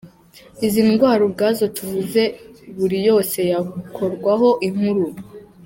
Izi ndwara ubwazo tuvuze buri yose yakorwaho inkuru.